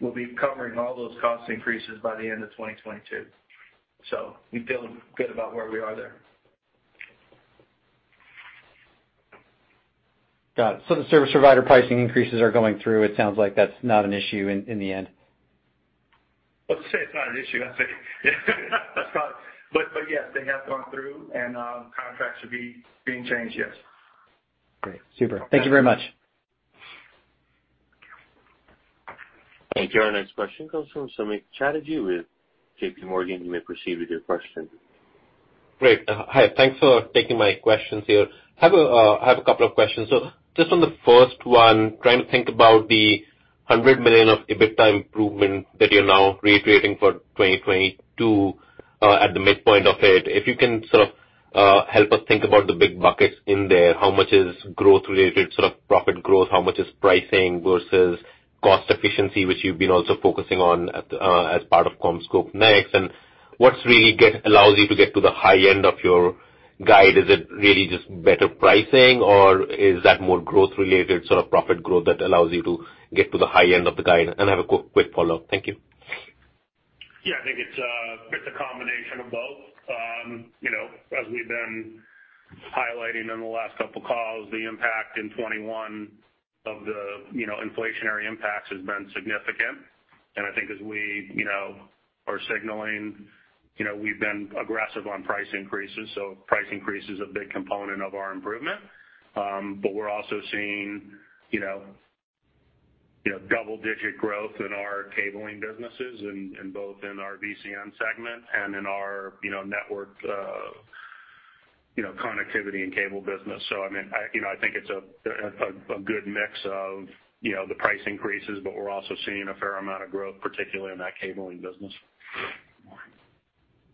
we'll be covering all those cost increases by the end of 2022. We feel good about where we are there. Got it. The service provider pricing increases are going through. It sounds like that's not an issue in the end. Let's say it's not an issue. Yes, they have gone through and contracts are being changed, yes. Great. Super. Thank you very much. Thank you. Our next question comes from Samik Chatterjee with JPMorgan. You may proceed with your question. Great. Hi. Thanks for taking my questions here. I have a couple of questions. Just on the first one, trying to think about the $100 million of EBITDA improvement that you're now reiterating for 2022, at the midpoint of it. If you can sort of help us think about the big buckets in there. How much is growth related, sort of profit growth? How much is pricing versus cost efficiency, which you've been also focusing on as part of CommScope NEXT? And what's really allows you to get to the high end of your guide? Is it really just better pricing or is that more growth related, sort of profit growth that allows you to get to the high end of the guide? And I have a quick follow-up. Thank you. Yeah. I think it's a combination of both. You know, as we've been highlighting in the last couple of calls, the impact in 2021 of the, you know, inflationary impacts has been significant. I think as we, you know, are signaling, you know, we've been aggressive on price increases, so price increase is a big component of our improvement. But we're also seeing, you know, double-digit growth in our cabling businesses and both in our VCN segment and in our, you know, network, you know, connectivity and cable business. I mean, you know, I think it's a good mix of, you know, the price increases, but we're also seeing a fair amount of growth, particularly in that cabling business.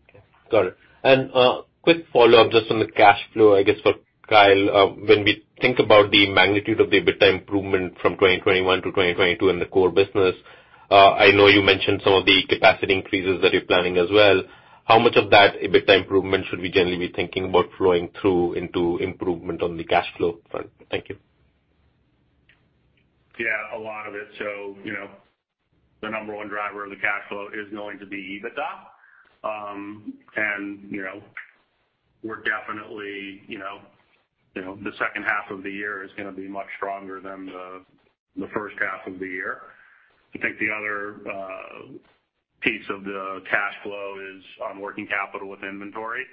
Okay. Got it. Quick follow-up just on the cash flow, I guess, for Kyle. When we think about the magnitude of the EBITDA improvement from 2021 to 2022 in the core business, I know you mentioned some of the capacity increases that you're planning as well. How much of that EBITDA improvement should we generally be thinking about flowing through into improvement on the cash flow front? Thank you. Yeah, a lot of it. You know, the number one driver of the cash flow is going to be EBITDA. You know, we're definitely you know the second half of the year is gonna be much stronger than the first half of the year. I think the other piece of the cash flow is on working capital with inventory.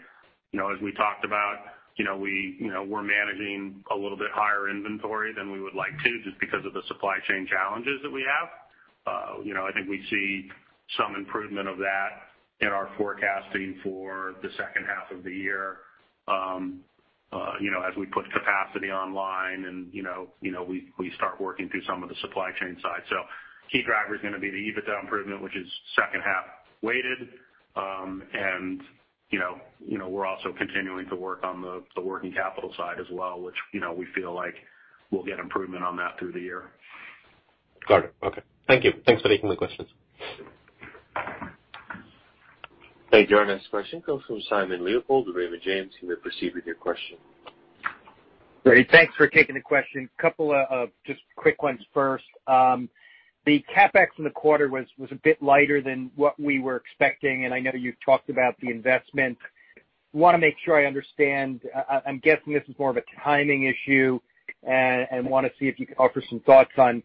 You know, as we talked about, you know, we're managing a little bit higher inventory than we would like to just because of the supply chain challenges that we have. You know, I think we see some improvement of that in our forecasting for the second half of the year, you know, as we put capacity online and you know we start working through some of the supply chain side. Key driver is gonna be the EBITDA improvement, which is second half weighted. You know, we're also continuing to work on the working capital side as well, which, you know, we feel like we'll get improvement on that through the year. Got it. Okay. Thank you. Thanks for taking the questions. Thank you. Our next question comes from Simon Leopold with Raymond James. You may proceed with your question. Great. Thanks for taking the question. A couple of, just quick ones first. The CapEx in the quarter was a bit lighter than what we were expecting, and I know you've talked about the investment. Wanna make sure I understand. I'm guessing this is more of a timing issue, and wanna see if you could offer some thoughts on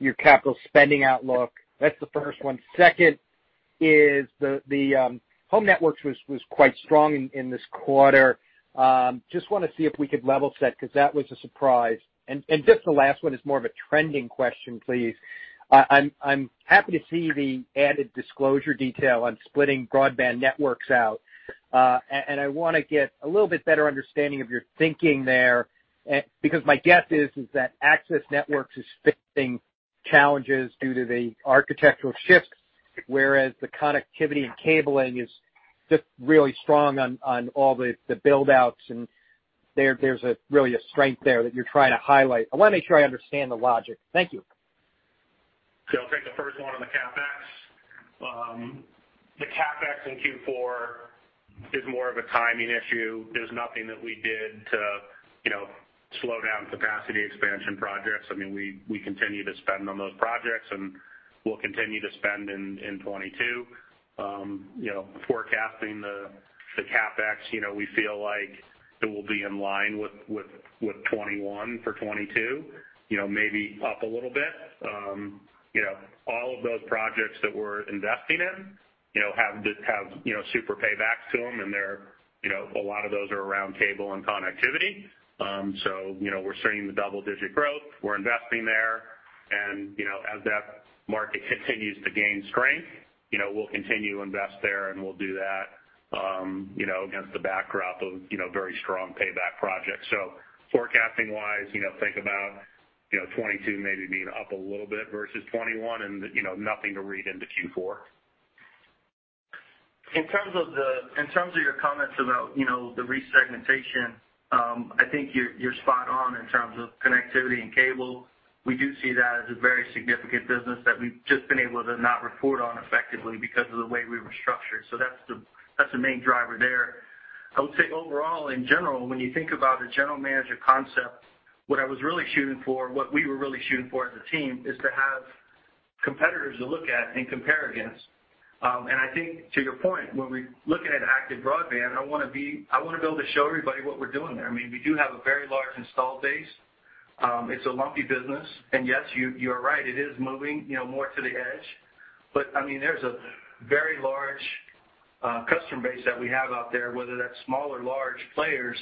your capital spending outlook. That's the first one. Second is the Home Networks was quite strong in this quarter. Just wanna see if we could level set, 'cause that was a surprise. Just the last one is more of a trending question please. I'm happy to see the added disclosure detail on splitting Broadband Networks out. I wanna get a little bit better understanding of your thinking there. Because my guess is that Access Networks is facing challenges due to the architectural shifts, whereas the Connectivity and Cabling is just really strong on all the build outs and there's really a strength there that you're trying to highlight. I wanna make sure I understand the logic. Thank you. I'll take the first one on the CapEx. The CapEx in Q4 is more of a timing issue. There's nothing that we did to slow down capacity expansion projects. I mean, we continue to spend on those projects, and we'll continue to spend in 2022. You know, forecasting the CapEx, we feel like it will be in line with 2021 for 2022, maybe up a little bit. You know, all of those projects that we're investing in have super paybacks to them, and they're a lot of those are around cable and connectivity. You know, we're seeing the double-digit growth. We're investing there. You know, as that market continues to gain strength, you know, we'll continue to invest there, and we'll do that, you know, against the backdrop of, you know, very strong payback projects. Forecasting-wise, you know, think about, you know, 2022 maybe being up a little bit versus 2021 and, you know, nothing to read into Q4. In terms of your comments about, you know, the re-segmentation, I think you're spot on in terms of connectivity and cable. We do see that as a very significant business that we've just been able to not report on effectively because of the way we were structured. That's the main driver there. I would say overall, in general, when you think about a general manager concept, what I was really shooting for, what we were really shooting for as a team is to have competitors to look at and compare against. I think to your point, when we're looking at active broadband, I wanna be able to show everybody what we're doing there. I mean, we do have a very large install base. It's a lumpy business. Yes, you are right, it is moving, you know, more to the edge. But, I mean, there's a very large customer base that we have out there, whether that's small or large players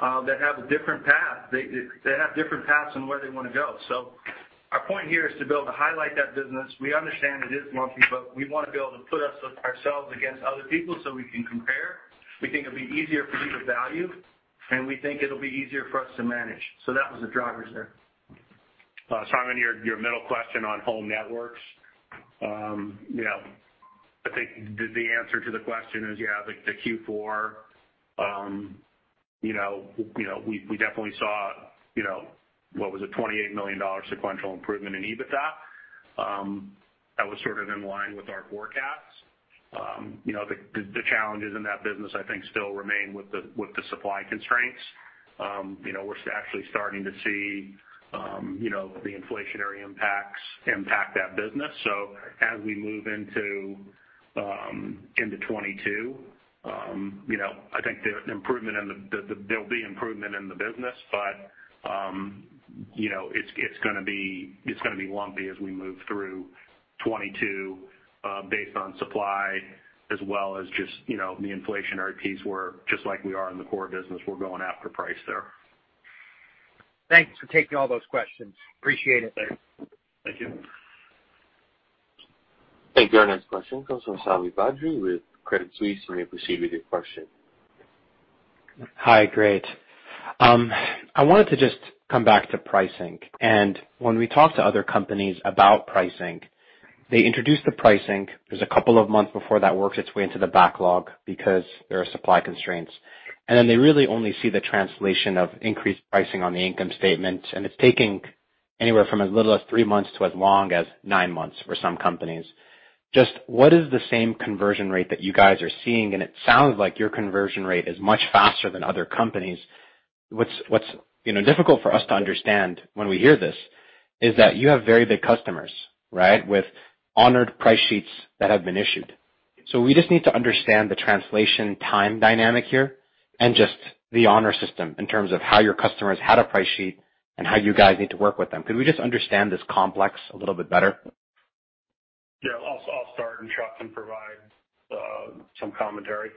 that have a different path. They have different paths on where they wanna go. Our point here is to be able to highlight that business. We understand it is lumpy, but we wanna be able to put ourselves against other people so we can compare. We think it'll be easier for people to value, and we think it'll be easier for us to manage. That was the drivers there. Simon, your middle question on Home Networks. You know, I think the answer to the question is, yeah, the Q4 you know we definitely saw, you know, what was it? $28 million sequential improvement in EBITDA, that was sort of in line with our forecasts. You know, the challenges in that business, I think, still remain with the supply constraints. You know, we're actually starting to see, you know, the inflationary impacts impact that business. As we move into 2022, you know, I think there'll be improvement in the business, but you know, it's gonna be lumpy as we move through 2022, based on supply as well as just, you know, the inflationary piece where just like we are in the core business, we're going after price there. Thanks for taking all those questions. Appreciate it. Thanks. Thank you. Thank you. Our next question comes from Sami Badri with Credit Suisse. You may proceed with your question. Hi. Great. I wanted to just come back to pricing. When we talk to other companies about pricing, they introduce the pricing. There's a couple of months before that works its way into the backlog because there are supply constraints. Then they really only see the translation of increased pricing on the income statement, and it's taking anywhere from as little as 3 months to as long as 9 months for some companies. Just what is the same conversion rate that you guys are seeing? It sounds like your conversion rate is much faster than other companies. What's, you know, difficult for us to understand when we hear this is that you have very big customers, right, with honored price sheets that have been issued. We just need to understand the translation time dynamic here and just the honor system in terms of how your customers had a price sheet and how you guys need to work with them. Could we just understand this complex a little bit better? Yeah, I'll start, and Chuck can provide some commentary.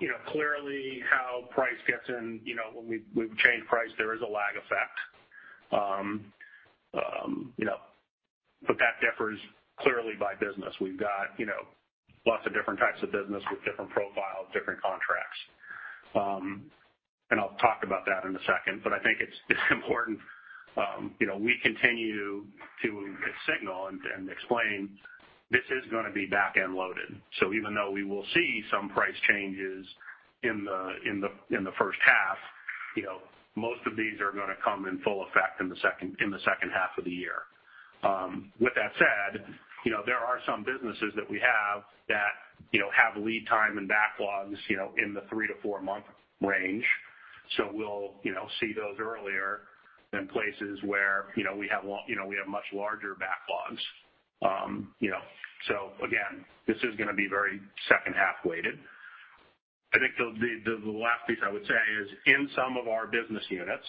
You know, clearly how price gets in, you know, when we've changed price, there is a lag effect. You know, but that differs clearly by business. We've got, you know, lots of different types of business with different profiles, different contracts. I'll talk about that in a second, but I think it's important, you know, we continue to signal and explain this is gonna be back-end loaded. Even though we will see some price changes in the first half, you know, most of these are gonna come in full effect in the second half of the year. With that said, you know, there are some businesses that we have that, you know, have lead time and backlogs, you know, in the 3-4-month range. We'll, you know, see those earlier than places where, you know, we have much larger backlogs. You know, again, this is gonna be very second half-weighted. I think the last piece I would say is in some of our business units,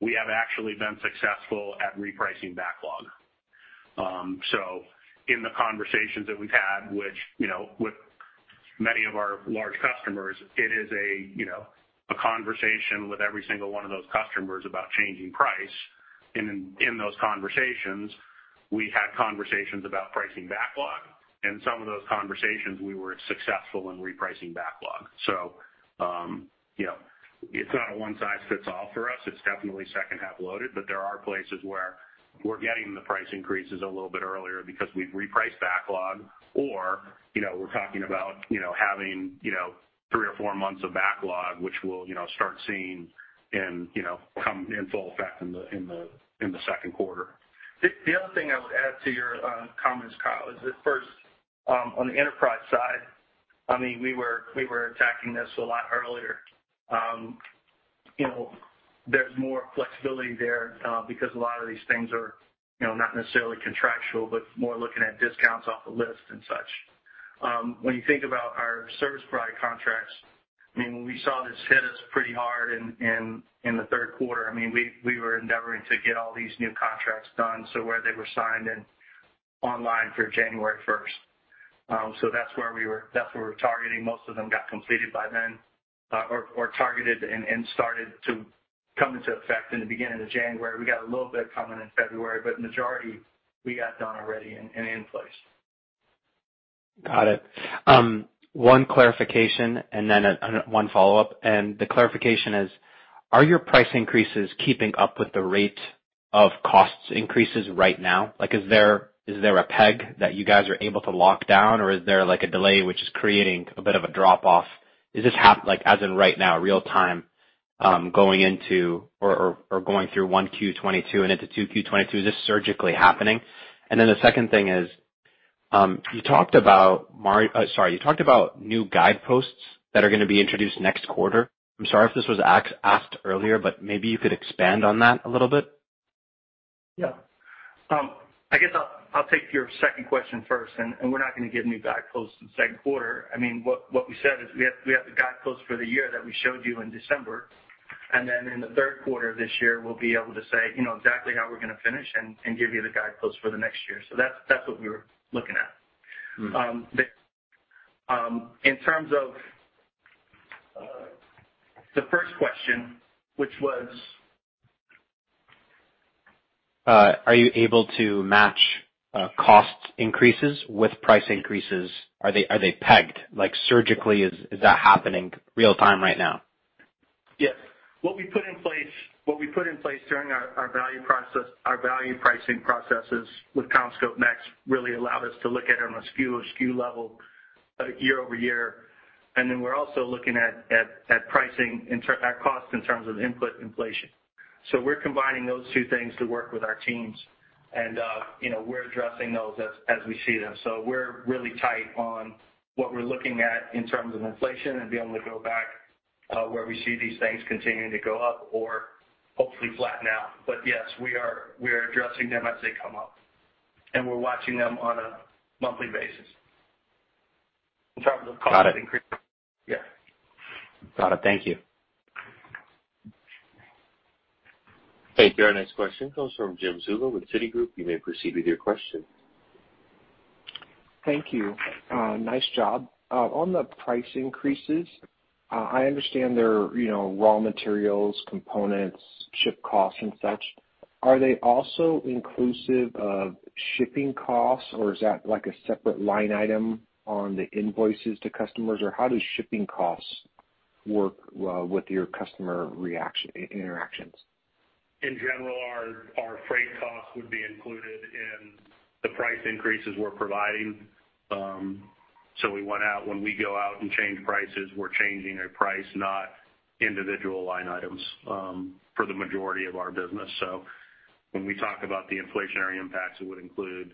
we have actually been successful at repricing backlog. In the conversations that we've had, which, you know, with many of our large customers, it is a, you know, a conversation with every single one of those customers about changing price. In those conversations, we had conversations about pricing backlog. In some of those conversations, we were successful in repricing backlog. You know, it's not a one size fits all for us. It's definitely second half loaded. But there are places where we're getting the price increases a little bit earlier because we've repriced backlog or, you know, we're talking about, you know, having, you know, three or four months of backlog, which we'll, you know, start seeing in, you know, come in full effect in the second quarter. The only thing I would add to your comments, Kyle, is that first, on the enterprise side. I mean, we were attacking this a lot earlier. You know, there's more flexibility there, because a lot of these things are, you know, not necessarily contractual, but more looking at discounts off the list and such. When you think about our service provider contracts, I mean, we saw this hit us pretty hard in the third quarter. I mean, we were endeavoring to get all these new contracts done, so that they were signed and online for January first. So that's where we were. That's what we're targeting. Most of them got completed by then, or targeted and started to come into effect in the beginning of January. We got a little bit coming in February, but majority we got done already and in place. Got it. One clarification and then one follow-up. The clarification is, are your price increases keeping up with the rate of cost increases right now? Like, is there a peg that you guys are able to lock down, or is there like a delay which is creating a bit of a drop-off? Is this like as in right now real-time, going into or going through 1Q22 and into 2Q22, is this surgically happening? The second thing is, you talked about new guideposts that are gonna be introduced next quarter. I'm sorry if this was asked earlier, but maybe you could expand on that a little bit. I guess I'll take your second question first, and we're not gonna give new guideposts in second quarter. I mean, what we said is we have the guideposts for the year that we showed you in December, and then in the third quarter of this year, we'll be able to say you know exactly how we're gonna finish and give you the guideposts for the next year. That's what we were looking at. Mm. In terms of the first question, which was? Are you able to match cost increases with price increases? Are they pegged? Like surgically, is that happening real time right now? Yes. What we put in place during our value process, our value pricing processes with CommScope NEXT really allowed us to look at it on a SKU level year-over-year. We're also looking at cost in terms of input inflation. We're combining those two things to work with our teams and, you know, we're addressing those as we see them. We're really tight on what we're looking at in terms of inflation and be able to go back, where we see these things continuing to go up or hopefully flatten out. Yes, we are addressing them as they come up, and we're watching them on a monthly basis. In terms of cost increase. Got it. Yeah. Got it. Thank you. Thank you. Our next question comes from Jim Suva with Citigroup. You may proceed with your question. Thank you. Nice job. On the price increases, I understand there are, you know, raw materials, components, shipping costs and such. Are they also inclusive of shipping costs, or is that like a separate line item on the invoices to customers? Or how does shipping costs work well with your customer reactions and interactions? In general, our freight costs would be included in the price increases we're providing. When we go out and change prices, we're changing a price, not individual line items, for the majority of our business. When we talk about the inflationary impacts, it would include,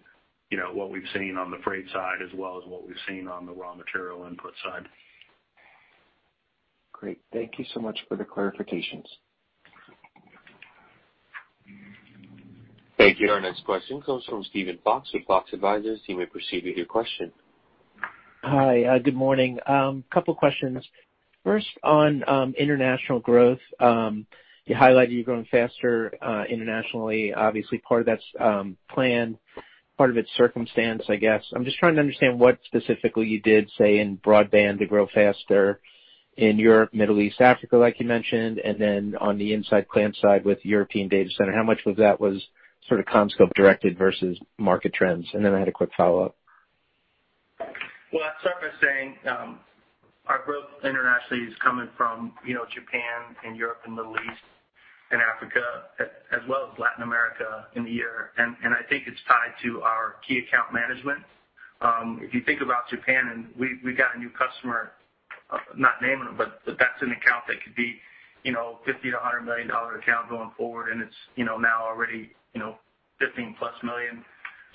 you know, what we've seen on the freight side as well as what we've seen on the raw material input side. Great. Thank you so much for the clarifications. Thank you. Our next question comes from Steven Fox with Fox Advisors. You may proceed with your question. Hi. Good morning. Couple questions. First on international growth. You highlighted you're growing faster internationally. Obviously part of that's planned, part of it's circumstance, I guess. I'm just trying to understand what specifically you did, say in broadband to grow faster in Europe, Middle East, Africa, like you mentioned, and then on the inside plant side with European data center, how much of that was sort of CommScope directed versus market trends? And then I had a quick follow-up. Well, I'll start by saying, our growth internationally is coming from, you know, Japan and Europe and Middle East and Africa, as well as Latin America in the year. I think it's tied to our key account management. If you think about Japan and we've got a new customer, I'm not naming them, but that's an account that could be, you know, a $50-$100 million account going forward, and it's, you know, now already, you know, $15+ million.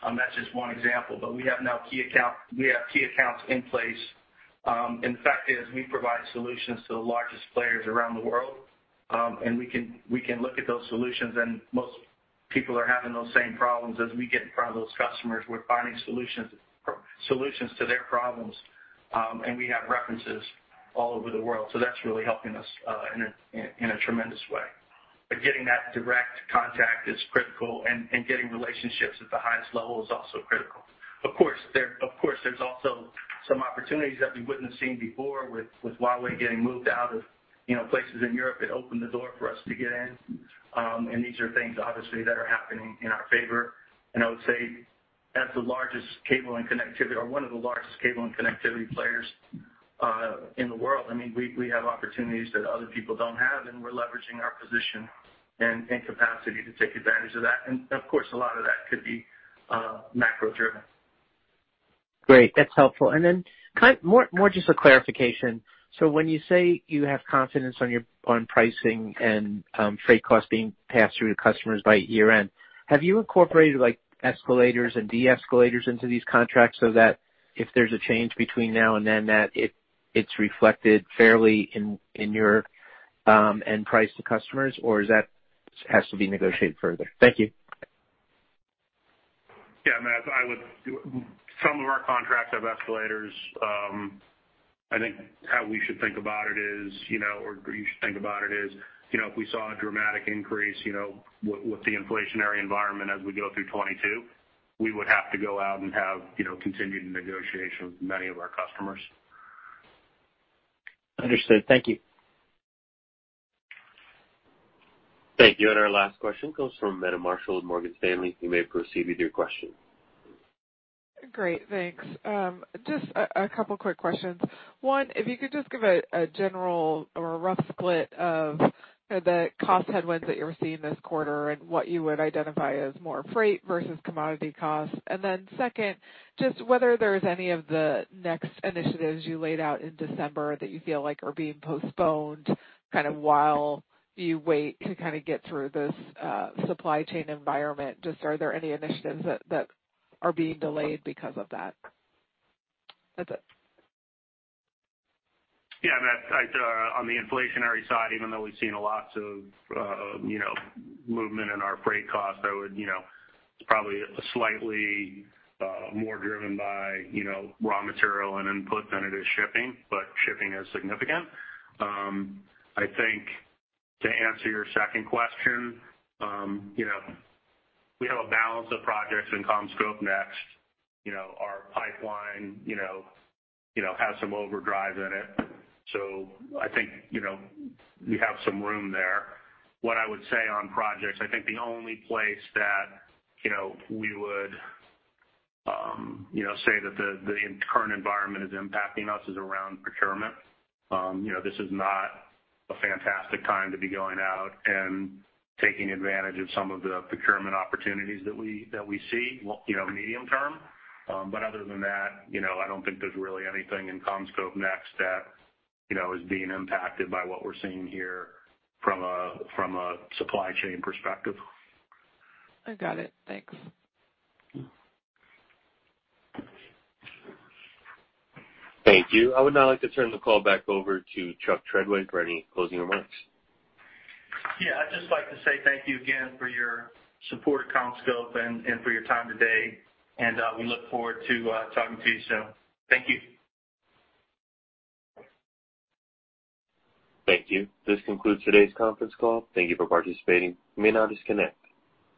That's just one example. We have now key accounts in place. The fact is we provide solutions to the largest players around the world. We can look at those solutions and most people are having those same problems. As we get in front of those customers, we're finding solutions to their problems. We have references all over the world, so that's really helping us in a tremendous way. Getting that direct contact is critical and getting relationships at the highest level is also critical. Of course, of course, there's also some opportunities that we wouldn't have seen before with Huawei getting moved out of, you know, places in Europe, it opened the door for us to get in. These are things obviously that are happening in our favor. I would say as the largest cable and connectivity or one of the largest cable and connectivity players in the world, I mean, we have opportunities that other people don't have, and we're leveraging our position and capacity to take advantage of that. Of course, a lot of that could be macro-driven. Great. That's helpful. More just for clarification. When you say you have confidence on pricing and freight costs being passed through to customers by year-end, have you incorporated like escalators and de-escalators into these contracts so that if there's a change between now and then that it's reflected fairly in your end price to customers or has to be negotiated further? Thank you. Matt, some of our contracts have escalators. I think how you should think about it is, you know, if we saw a dramatic increase, you know, with the inflationary environment as we go through 2022, we would have to go out and have, you know, continued negotiations with many of our customers. Understood. Thank you. Thank you. Our last question comes from Meta Marshall with Morgan Stanley. You may proceed with your question. Great. Thanks. Just a couple quick questions. One, if you could just give a general or a rough split of the cost headwinds that you're seeing this quarter and what you would identify as more freight versus commodity costs. Second, just whether there's any of the NEXT initiatives you laid out in December that you feel like are being postponed kind of while you wait to kind of get through this supply chain environment. Just are there any initiatives that are being delayed because of that? That's it. Yeah, Meta, on the inflationary side, even though we've seen lots of, you know, movement in our freight costs, I would, you know, it's probably slightly more driven by, you know, raw material and input than it is shipping, but shipping is significant. I think to answer your second question, you know, we have a balance of projects in CommScope NEXT. You know, our pipeline, you know, has some overdrive in it. I think, you know, we have some room there. What I would say on projects, I think the only place that, you know, we would, you know, say that the current environment is impacting us is around procurement. You know, this is not a fantastic time to be going out and taking advantage of some of the procurement opportunities that we see, you know, medium term. Other than that, you know, I don't think there's really anything in CommScope NEXT that, you know, is being impacted by what we're seeing here from a supply chain perspective. I got it. Thanks. Thank you. I would now like to turn the call back over to Chuck Treadway for any closing remarks. Yeah, I'd just like to say thank you again for your support of CommScope and for your time today, and we look forward to talking to you soon. Thank you. Thank you. This concludes today's conference call. Thank you for participating. You may now disconnect.